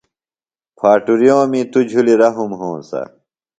پھاٹُریومی توۡ جُھلیۡ رھم ہونسہ۔